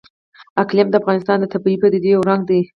اقلیم د افغانستان د طبیعي پدیدو یو رنګ دی.